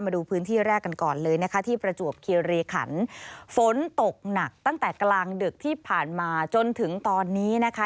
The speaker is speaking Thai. มาดูพื้นที่แรกกันก่อนเลยนะคะที่ประจวบคิริขันฝนตกหนักตั้งแต่กลางดึกที่ผ่านมาจนถึงตอนนี้นะคะ